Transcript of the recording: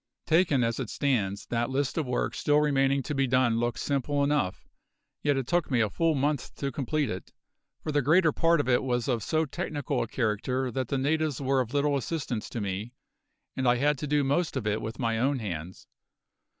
Taken as it stands, that list of work still remaining to be done looks simple enough; yet it took me a full month to complete it, for the greater part of it was of so technical a character that the natives were of little assistance to me, and I had to do most of it with my own hands.